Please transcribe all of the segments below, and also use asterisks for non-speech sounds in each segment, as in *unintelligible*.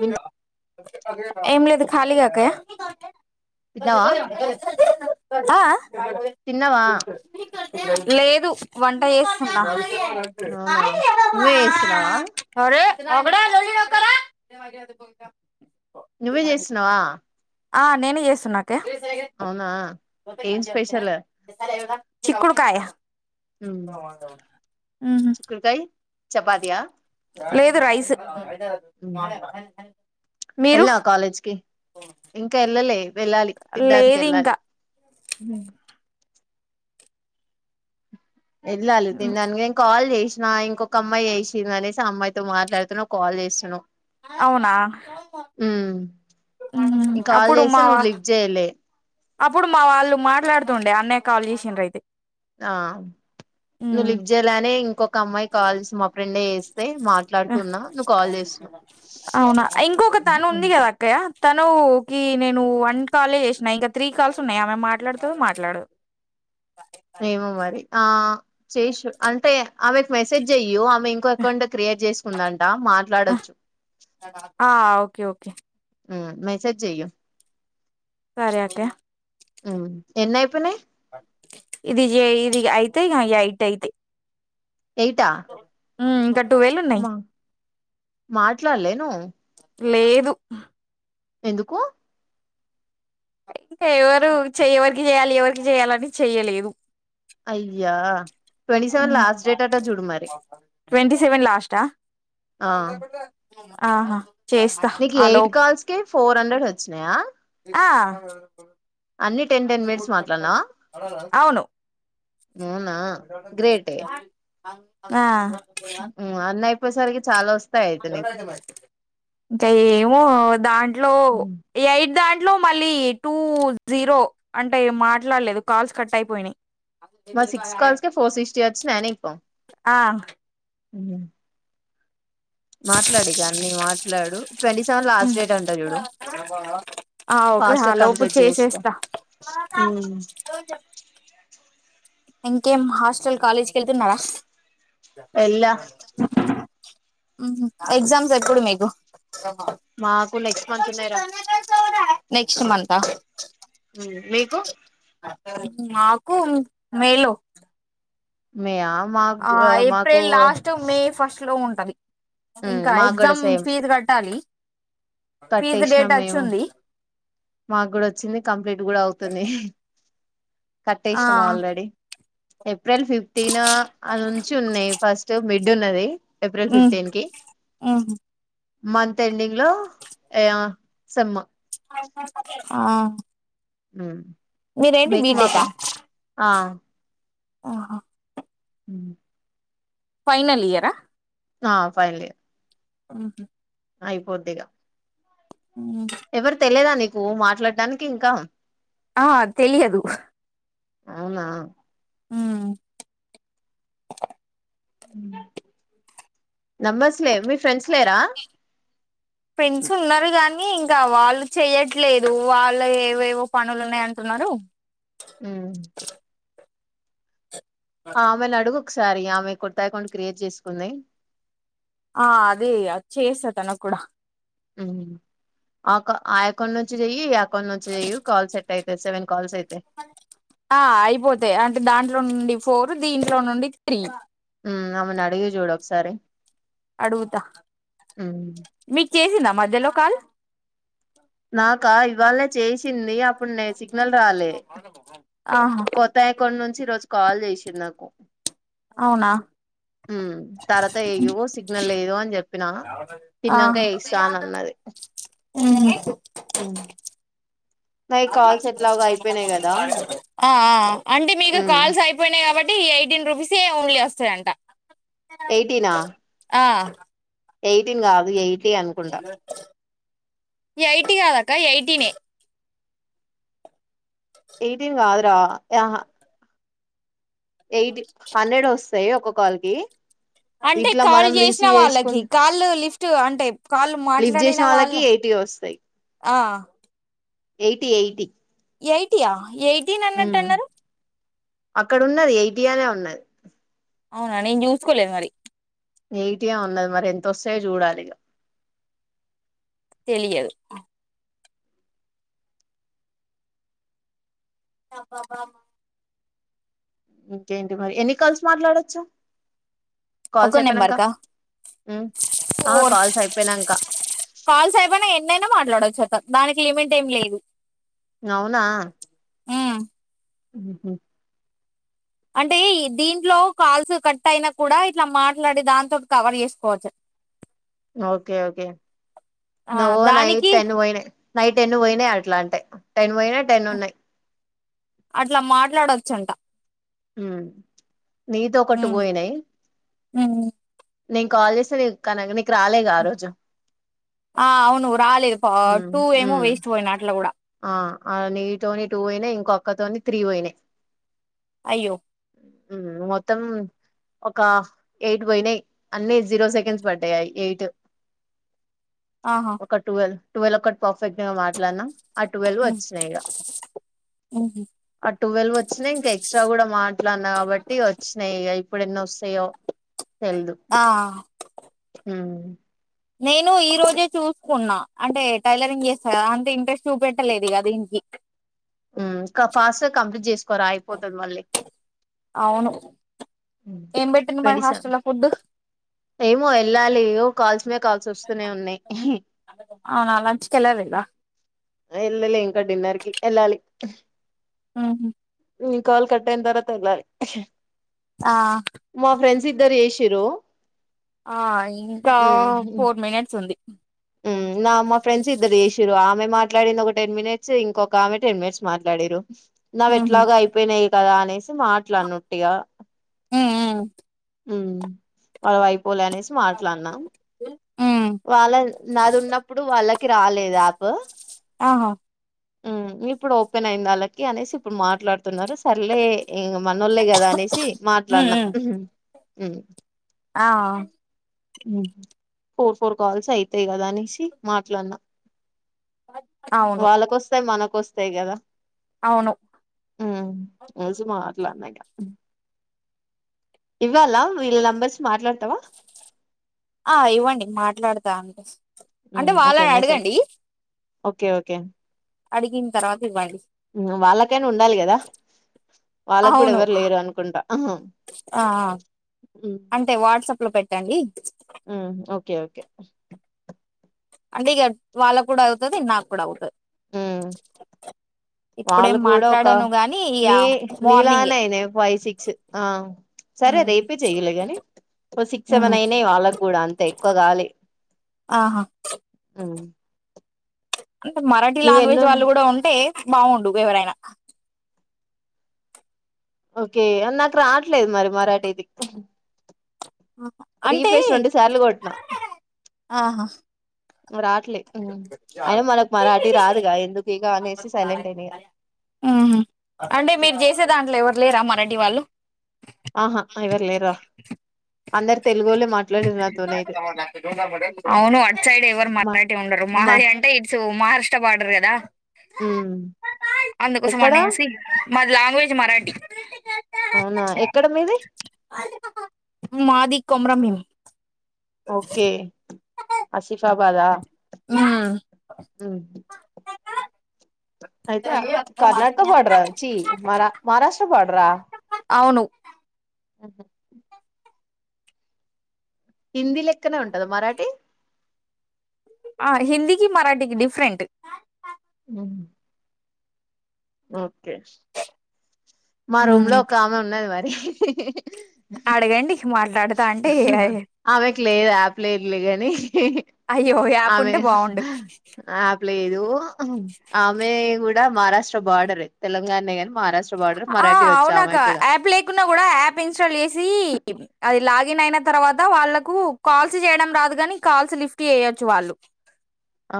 Win ఏం లేదు ఖాళీగా అక్కయ్య తిన్నావా ఆ ఆ తిన్నావా లేదు వంట చేస్తున్నా అవునా నువ్వే చేస్తున్నావా రేయ్ క్క బ *inaudible* నువ్వే చేస్తున్నావా ఆ నేనే చేస్తున్న అక్కయ అవునా ఏం స్పెషల్ చిక్కుడుకాయ ఉహు చపాతీయా లేదు రైస్ మీరు వెళ్ళావా కాలేజ్ కి ఇంకా వెళ్ళలే వెళ్ళాలి తిండానికి లేదు వెళ్ళాలి ఇంకా యెల్లాలి తిండానికి కాల్ చేసి ఆ ఇంకొక అమ్మాయి చేసిందనేసి ఆ అమ్మాయితో మాట్లాడుతున్నా కాల్ చేస్తునవ్ అవునా కాల్ అప్పుడు మా చేస్తే నువ్వు లిఫ్ట్ జేయలే అప్పుడు మా వాళ్ళు మాట్లాడుతుండే అన్నయ్య కాల్ చేసింద్రని ఆ నువ్వు లిఫ్ట్ జేయలని ఇంకొక అమ్మాయి కాల్స్ మా ఫ్రెండే మాట్లాడుతున్నా నువ్వు కాల్ చేస్తున్నావ్ అవునా ఇంకొక తను ఉంది కదా అక్కాయ తను కి నేను వన్ కాలే చేసినా ఇంకా త్రీ కాల్స్ ఉన్నాయి ఆమె మాట్లాతాదొ మాట్లాడదొ ఏమో మరి ఆ చేసు అంటే ఆమెకు మెసేజ్ చెయ్యి ఆమె ఇంకో *unintelligible* చేసుకుందాంట మాట్లాడొచ్చు ఆ ఓకే ఓకే హమ్ మెసేజ్ చెయ్యూ సరే అక్కే ఉ ఎన్నై పోనాయ్ ఇది జేయి ఇగ యితే ఈ ఎయిట్ అయితాయి ఎయిటా ఉమ్ ఇంకట్ మా మాట్లాడలేను లేదు ఎందుకు ఇంకా ఎవరు చెయ్యగివ్వాలి ఎవరికి చేయ్యాలి అంటే చేయాలని చెయ్యలేదు అయ్యా ట్వంటీ సెవెన్ మ్మ్ లాస్ట్ డేట్ అట చూడు మరి ట్వంటీ సెవెన్ లాస్టా ఆ ఆహా చేస్తా నీకు ఆలో ఎయిట్ కాల్స్ కే ఫోర్ హండ్రెడ్ వచ్చినాయా ఆ అన్ని టెన్ టెన్ మినిట్స్ మాట్లాడినావా అవును అవునా గ్రేటే కన్నా అన్నీ అయిపోయేసరికి చాలా వస్తాయి అయితే నీకు ఇంకా ఏమో దాంట్లో ఉమ్, ఎయిట్ దాన్ ఇంట్లో మళ్ళీ టూ జీరో అంటే మాట్లాడలేదు. కాల్స్ కట్ అయిపోయినాయి. మా సిక్స్ కల్స్కే ఫోర్ సిక్స్టీ వచ్చినాయ నీకు ఆ మాట్లాడు ఇగ అన్ని మాట్లాడు twenty seven last um date అంట చూడు ఆ ఓకే పాస్ట్ ఆ గా లోపు కంప్లీట్ చేసుకో ఉ కొంచం ఇంకేం హాస్టల్ కాలేజ్కి వెళ్తున్నారా ఎల్లా హ్మ్ హు ఎగ్జామ్స్ ఎప్పుడు మీకు ఆహా మాకు నెక్స్ట్ మంత్ ఉన్నాయి రా నెక్స్ట్ మంత మ్మ్ మీకు మాకు మే లో మేయా మాకు మాకు ఏప్రిల్ లాస్ట్ మే ఫస్ట్ లో ఉంటది ఇంకా మాకు కూడా ఎగ్జామ్ సేమ్ ఫీజ్ కట్టాలి ఫీజు కట్టేసినాం డేట్ మేము వచ్చింది మాకు కూడా వచ్చింది కంప్లీట్ కూడా అవుతది ఆ కట్టేసినాం ఆల్రెడీ ఏప్రిల్ ఫిఫ్టీన్ అల్ల నుంచి ఉన్నాయి ఫస్ట్ మిడ్ ఉన్నది ఏప్రిల్ ఉమ్ ఫిఫ్టీన్ కి ఉమ్ మంత్ ఎండింగ్ లో ఏయా సేమ్ము ఆ మ్మ్ మీరేంటి మీకు మాకు బీటెకా ఆ ఆహా మ్మ్ ఫైనల్ ఇయరా ఆ ఫైనల్ ఇయర్ హ్మ్ హు అయిపోద్ది ఇగ ఎవరు తేలీదా నీకు మాట్లాడడానికి ఇంకా ఆ తెలియదు అవునా మ్మ్ నమ్మర్స్లె మీ ఫ్రెండ్స్ లేరా ఫ్రెండ్స్ ఉన్నారు కానీ ఇంకా వాళ్ళు చెయట్లేదు వాళ్ళ ఏవేవో పనులు ఉన్నాయ అంటు న్నారు మ్మ్ ఆ ఆమెను అడుగు ఒకసారి ఆమె కొత్త అకౌంట్ క్రియేట్ చేసుకుంది ఆ అదే అది చేస్తా తనకు కూడా మ్మ్ ఆక అయ్యాకౌంట్ నుంచి చెయ్యి కోన్ నుంచి చెయ్యు కాల్ సెట్ అయితాయి సెవెన్ కాల్స్ అయితే ఆ అయిపోతాయి అంటే దాంట్లో నుండి ఫోర్ దీంట్లో నుండి త్రీ మ్మ్ ఆమను అడిగి చూడు ఒకసారి అడుగుతా మీకు చేసిందా మధ్యలో కాల్ నాకా ఇవాలే చేసింది అప్పుడు నే సిగ్నల్ రాలే ఆహా కొత్తయి కొన్ చి ఈ రోజు కాల్ చేసింది నాకు అవునా మ్మ్ తర్వాత యో సిగ్నల్ లేదు అని చెప్పిన తిన్నంక వేస్తా అని అన్నది అ మ్మ్ మ్మ్ నాయి కాల్స్ ఎట్లాగా అయిపోయినాయి కదా ఆ ఆ అంటే మీకు ఉమ్ కాల్స్ అయిపోయినాయి కాబట్టి ఎయిటీన్ రూపీసే ఓన్లీ వస్తాయంట ఎయిటీనా ఆ ఎయిటీన్ కాదు ఎయిటీ అనుకుంటా ఏ ఎయిటి కాదక్క ఎయిటీనే ఎయిటీన్గారా ఆహ ఎయిటీ హండ్రెడ్ వస్తాయి ఒక కాల్ కి అంటే ఇట్లా కాల్ మనం చేసిన రిసీవ్ చేసుకుం వాళ్ళకి కాళ్ళ లిఫ్ట్ అంటే కాళ్ళు మాట్లాడిన వాళ్ళు టీ వస్తే ఆ ఎయిటీ ఎయిటీ ఎయిటీయా ఎయిటీన్ అన్నట్టు ఉమ్ అన్నారు అక్కడ ఉన్నది ఎయిటీయానే ఉన్నది అవునా నేను చూసుకోలేదు మరి ఎ యిటిగా ఉన్నది మరి ఎంతొస్తాయో చూడాలి ఇక తెలియదు *inaudible* ఇంకేంటి మరి ఎన్ని కలిసి మాట్లాడొచ్చా ఒక నెంబర్కా ఆ ఫోర్ కాల్స్ అయిపోయినాంక న్నైనా మాట్లాడవచ్చు దానికి లిమిట్ ఏం లేదు అవునా ఉమ్ ఉహ అంటే దీంట్లో కాల్స్ కట్ అయినా కూడా ఇట్లా మాట్లాడి దాంతో కవర్ చేసుకోవచ్చు ఓకే ఓకే ఆ నువ్వు నైట్ దానికి టెన్ పోయినాయి నైట్ టెన్న పోయినాయి అట్లా అంటే టెన్ పోయినా టెన్ ఉన్నాయి అట్లా మాట్లాడొచ్చంట ఉ నీతో ఒక టు ఉమ్ అయినాయి ఉమ్ నేను కాల్ చేసి నీకు రాలేగా ఆ రోజు ఆ అవును రాలేదు ఉమ్ టూ ఏమో ఉమ్ వేస్ట్ పోయినా అట్ల కూడా ఆ ఆ నీతోటి టూ పోయినాయి ఇంకో అక్క తోనే త్రీ పోయినాయి అయ్యో మొత్తం ఒక ఎయిట్ పోయినాయి జీరో సెకండ్స్ పడ్డాయయి ఎయిట్ ఆహా ఒక టువెల్వ్ ట్వెల్వ్ ఒకటి పర్ఫెక్ట్ గా మాట్లాడునా ఆ ట్వెల్వ్ ఉమ్ వచ్చినాయి ఇగ ఉహు ట్వెల్వ్ వచ్చినాయి ఇంక ఎక్స్ట్రా కూడా మాట్లాడిన కాబట్టి వచ్చినాయి ఇగా ఇప్పుడు ఎన్నీ వస్తాయో తెలీదు ఆ ఉమ్ నేను ఈ రోజే చూసుకున్నా అంటే టైలరింగ్ చేస్తా కదా అంత ఇంట్రెస్ట్ చూపెట్టలేదు క దీనికి *inaudible* ఫాస్ట్గా కంప్లీట్ చేసుకోరా అయిపోతుది మళ్ళీ అవును ఏం పెట్టింది మరి ట్వంటీ సెవెన్ హాస్టల్ లో ఫుడ్ ఏమో వెళ్ళాలి కాల్స్ మీద కాల్స్ వస్తూనే ఉన్నాయి అవునా లంచ్ కెళ్ళలేదా వెళ్ళాల ఇంకా డిన్నర్ కి వెళ్ళాలి ఆ కాల్ కట్టేన్ తర్వాత ఆ *unintelligible* తిరు ఆ ఇంకా ఫోర్ మినిట్స్ ఉంది ఉమ్ నిన్న మా ఫ్రెండ్స్ ఇద్దరు చేషిరు ఆమె మాట్లాడింది ఒక టెన్ మినిట్స్ ఇంకొక ఆమె టెన్ మినిట్స్ మాట్లాడిరు నవి ఉహు ఎట్లాగ అయిపోయినాయి కదా అనేసి మాట్లానట్టిగా ఆ ఆ ఉమ్ వాళ్ళ వయిప్ పోలే అనేసి మాట్లాడనాం ఉమ్ వాళ్ళ నాది ఉన్నప్పుడు వాళ్ కి రాలేదు ఆప్ ఆహా ఉమ్ ఇప్పుడు ఓపెన్ అయింది వాళ్ళకి అనేసి ఇప్పుడు మాట్లాడుతున్నారు సర్లే ఇం మనోళ్ళే కదా అనేసి ఉమ్ మాట్లాడినాం ఉమ్ ఆ ఫోర్ ఫోర్ కాల్స్ అయితాయి కదా అనేసి మాట్లాడినా అవును వాళ్ళకొస్తాయి మనకొస్తాయి కదా అవును ఉమ్ రోజు మాట్లాన్నా ఇవ్వాలా వీళ్ళ నెంబర్స్ మాట్లాడతావా ఆ ఇవ్వండి మాట్లాడుతా అం అంటే హ్మ్. ఓకే వాళ్ళని మెసేజ్ అడగండి ఓకే ఓకే అడిగిన తర్వాత ఇవ్వాలి వాళ్ళకైనా ఉండాలి కదా వాళ్ళకు కూడా అవును ఎవరు లేరు అనుకుంటా ఆ అంటే వాట్సాప్ లో పెట్టండి ఓకే ఓకే అంటే ఇక వాళ్ళ కూడా అవుతది నాకు కూడా అవుతది మ్ వాళ్ళు ఇప్పుడేం కూడా ఒక మాట్లాడను గాని ఇగ నీ నీ మార్నింగే లానే అయినా ఫైవ్ సిక్స్ ఆ సరే ఉమ్ రేపే చెయ్యలే ని ఓ సిక్స్ ఉమ్ సెవెన్ అయినాయి వాళ్ళకి కూడా అంతే ఎక్కువ కాలె ఆహా ఉమ్ అంటే మరాఠీ లాంగ్వేజ్ వాళ్ళు కూడా ఉంటే బాగుండు ఎవరైనా ఓకే నాకు రావట్లేదు మరి మరాఠీది అంటే రీఫ్రెష్ రెండు సార్లు కొట్టినా ఆహా రాట్లే అయిన మనకు మరాఠీ రాదుగా ఎందుకు ఇక అనేసి సైలెంట్ అయినా ఇగ అంటే మీరు చేసే దాంట్లో ఎవరు లె రమండి వాళ్ళు ఆహా ఎవరు లేరు రా అందరు తెలుగోలే మాట్లాడిన్నారు అవును అట్ సైడ్ ఎవరు మా మరాఠీ ఉండరు మా మహద అంటే ఇట్స్ మహారాష్ట్ర భా పడర్ కదా ఉమ్ అందుకోసం అనేసి మాది లాంగ్వేజ్ మరాఠీ అవునా ఎక్కడ మీది కొమ్రమిం ఓకే ఆసిఫా వాళ్ళ అయితే కర్ణాటక బార్డరాచ్చి మ మహారాష్ట్ర బార్డరా ను హిందీ లెక్కన ఉంటంద మరాఠీ ఆ హిందీకి మరాఠీకి డిఫరెంట్ ఉ ఓకే మా రూమ్ లో ఉమ్, ఒక ఆమె ఉన్నది మరి అడగండి మాట్లాడతా అంటే అమెకి లేదు యాప్లేర్లే గాని అయ్యో యాప్ అమె ఉంటే బాగుండు ఆ లేదు ఆమె కూడా మహారాష్ట్ర బార్డర తెలంగాణ కాని ఆ అవునాక యాప్ లేకున్నా కూడా యాప్ ఇన్స్టాల్ చేసి అది లాగ న్ అయిన తర్వాత వాళ్ళలకు కాల్స్ చేయడం రాదు కాగాని కాల్స్ లిఫ్ట్ చేయొచ్చు వాళ్ళు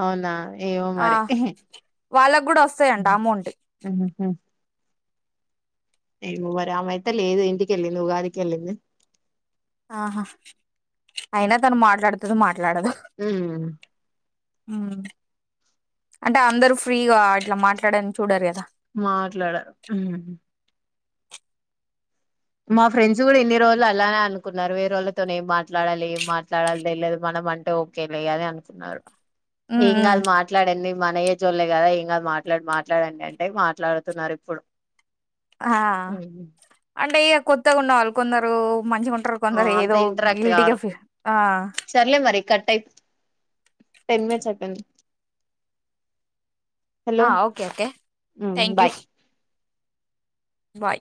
అవునా ఏమో ఆ మరి వాళ్ళకు కూడా వస్తాయండి అమ్మౌంటిడి ఏ్వరి ఆమె అయితే లేదు ఇంటికెళ్ళింది ఉగాదికి వెళ్ళింది ఆహా అయినా తను మాట్లాడుతుంది మాట్ ఊ అంటే అందరూ ఫ్రీగా ఇట్లా మాట్లాడని చూడారు కదా మాట్లాడరు ఊ మా ఫ్రెండ్స్ కూడా ఇన్ని రోజులు అలానే అనుకున్నారు వేరోలతోని ఏం మాట్లాడాలి ఏం మాట్లాడాలి తెలేదు మన ఆమె అంటే ఓకేలే అని అనుకున్నారు ఉమ్ ఏం ఉమ్ కాదు మాట్లాడ్ ఎందుకు మన ఏజోలె కదా ఏం కా మాట్లాడు మాట్లాడండి అంటే మాట్లాడుతున్నారు ఇప్పుడు ఆ అంటే ఇగ కొత్తగున్న వాళ్ళు కొందరు మంచిగుంటరు ఆ కొందరు అంత ఏదో ఇంటరాక్ట్ గిల్టీగా కారు ఫి ఆ సర్లే మరి కట్ అయి టెన్ మినిట్స్ ఐపంది హలో ఆ ఓకే ఓకే ఉ థ్యాంక్ యూ బాయ్ బాయ్